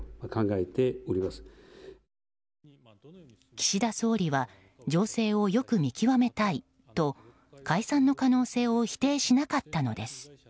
岸田総理は情勢をよく見極めたいと解散の可能性を否定しなかったのです。